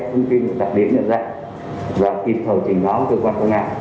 thông tin đặc điểm nhận dạng và kịp thầu trình báo cơ quan công an